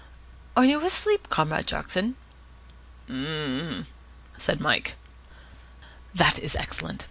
Are you asleep, Comrade Jackson?" "Um m," said Mike. "That is excellent.